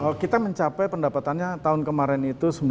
kalau kita mencapai pendapatannya tahun kemarin itu